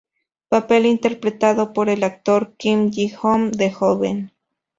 Papel interpretado por el actor Kim Ji-hoon de joven.